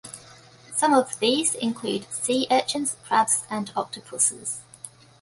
Some of these include sea urchins, crabs and octopuses.